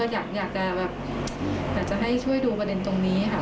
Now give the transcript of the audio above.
อยากจะแบบอยากจะให้ช่วยดูประเด็นตรงนี้ค่ะ